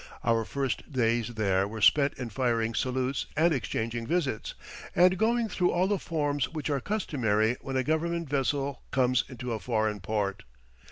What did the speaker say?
Our first days there were spent in firing salutes and exchanging visits, and going through all the forms which are customary when a government vessel comes into a foreign port.